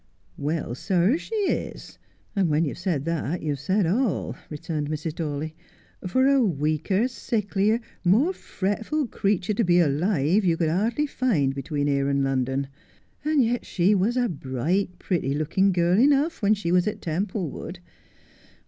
' Well, sir, she is, and when you've said that you've said all,' returned Mrs. Dawley, ' for a weaker, sicklier, more fretful creature to be alive you could hardly find between here and London. And yet she was a bright, pretty looking girl enough when she was at Templewood.